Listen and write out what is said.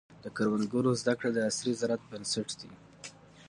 د کروندګرو زده کړه د عصري زراعت بنسټ دی.